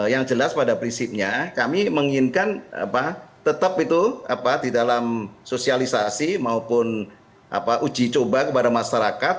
yang jelas pada prinsipnya kami menginginkan tetap itu di dalam sosialisasi maupun uji coba kepada masyarakat